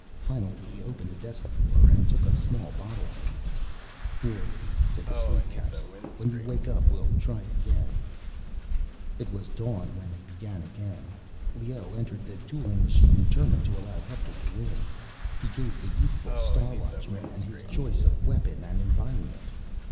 Finally he opened a desk drawer and took a small bottle from it. "Here, take a sleep capsule. When you wake up we'll try again." It was dawn when they began again. Leoh entered the dueling machine determined to allow Hector to win. He gave the youthful Star Watchman his choice of weapon and environment.